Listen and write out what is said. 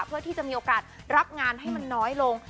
เพื่อที่จะมีโอกาสรับงานให้มันน้อยลง